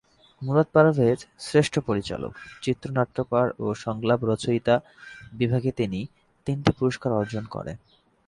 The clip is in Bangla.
মুরাদ পারভেজ শ্রেষ্ঠ পরিচালক, চিত্রনাট্যকার ও সংলাপ রচয়িতা বিভাগে তিনটি পুরস্কার অর্জন করে।